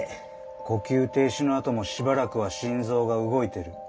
呼吸停止のあともしばらくは心臓が動いてる。